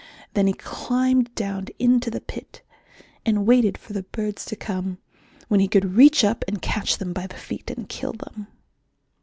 Then he climbed down into the pit and waited for the birds to come, when he could reach up and catch them by the feet and kill them.